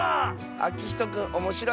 あきひとくんおもしろいはっけん